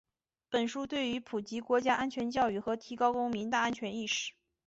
本书对于普及国家安全教育和提高公民“大安全”意识